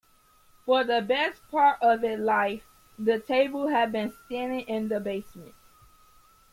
For the best part of its life, the table has been standing in the basement.